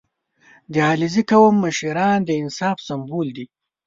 • د علیزي قوم مشران د انصاف سمبول دي.